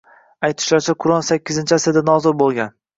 Aytishlaricha, Qur’on yettinchi asrda nozil bo‘lgan.